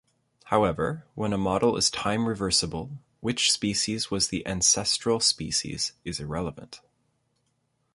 However, when a model is time-reversible, which species was the ancestral species is irrelevant.